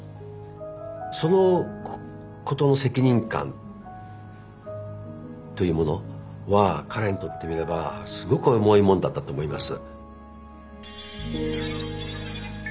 そのことの責任感というものは彼にとってみればすごく重いものだったと思います。